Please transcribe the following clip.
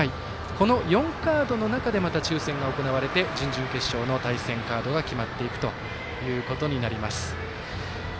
この４カードの中でまた抽せんが行われて準々決勝の対戦カードが決まっていくということになります。